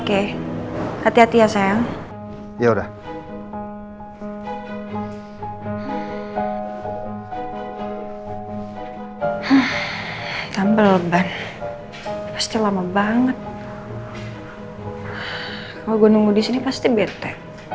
kalau gue nunggu disini pasti bete